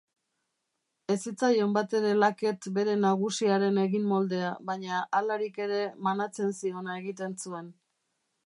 Ez zitzaion batere laket bere nagusiaren eginmoldea, baina halarik ere manatzen ziona egiten zuen.